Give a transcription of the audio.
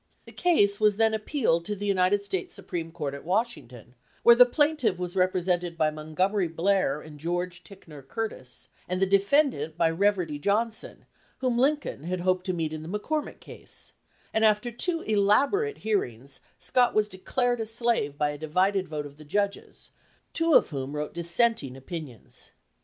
The case was then appealed to the United 16 271 LINCOLN THE LAWYER States Supreme Court at Washington, where the plaintiff was represented by Montgomery Blair and George Ticknor Curtis, and the defendant by Reverdy Johnson, whom Lincoln had hoped to meet in the McCormick case; and after two elaborate hearings Scott was declared a slave by a divided vote of the judges, two of whom wrote dissenting opinions.